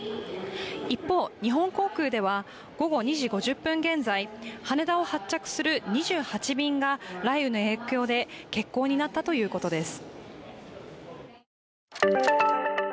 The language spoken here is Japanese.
一方、日本航空では午後２時５０分現在、羽田を発着する２８便が雷雨の影響で欠航になったということです。